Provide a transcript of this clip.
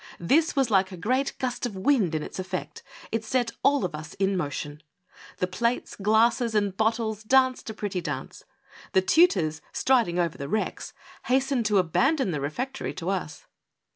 This was like a great gust of wind in its effect — it set all of us in motion. The plates, glasses and bottles danced a pretty dance. The tutors, striding over the wrecks, hastened to abandon the refectory to us.